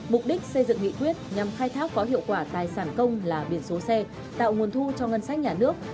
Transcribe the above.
mục đích xây dựng nghị quyết nhằm khai thác có hiệu quả tài sản công là biển số xe tạo nguồn thu cho ngân sách nhà nước